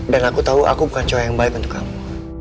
dan aku tahu aku bukan cowok yang baik untuk kamu